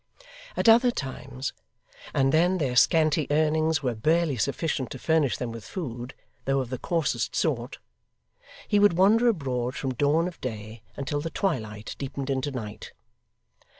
At other times, and then their scanty earnings were barely sufficient to furnish them with food, though of the coarsest sort, he would wander abroad from dawn of day until the twilight deepened into night.